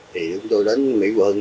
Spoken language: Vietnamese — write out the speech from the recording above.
thì chúng tôi đến mỹ hòa hưng